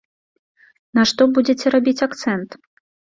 На што будзеце рабіць акцэнт?